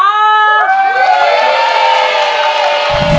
เย้